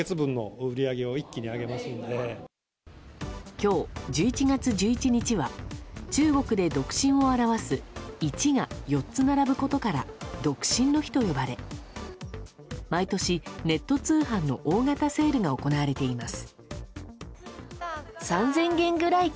今日、１１月１１日は中国で独身を表す１が４つ並ぶことから独身の日と呼ばれ毎年、ネット通販の大型セールが行われています。